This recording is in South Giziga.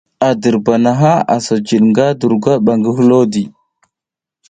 A dirba naha asa jid nga durgwad ɓa ngi hilo.